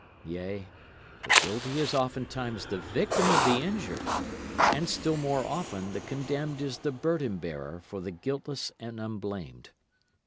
Yea, the guilty is oftentimes the victim of the injured, And still more often the condemned is the burden bearer for the guiltless and unblamed.